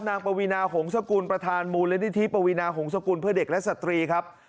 ปวีนาหงศกุลประธานมูลนิธิปวีนาหงศกุลเพื่อเด็กและสตรีครับ